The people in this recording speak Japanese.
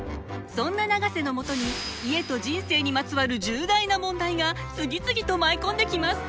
そんな永瀬のもとに家と人生にまつわる重大な問題が次々と舞い込んできます。